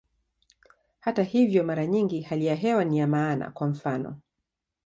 Hata hivyo, mara nyingi hali ya hewa ni ya maana, kwa mfano.